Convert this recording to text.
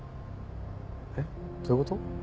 えっどういうこと？